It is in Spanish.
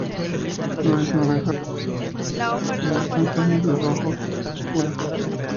Flores anaranjadas a rojas, base amarilla, franja media rojo oscura.